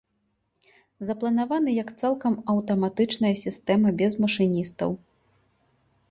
Запланаваны як цалкам аўтаматычная сістэма без машыністаў.